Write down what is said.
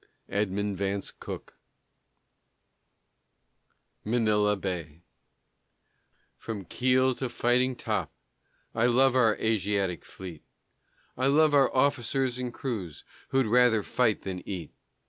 EDMUND VANCE COOKE. MANILA BAY From keel to fighting top, I love Our Asiatic fleet, I love our officers and crews Who'd rather fight than eat.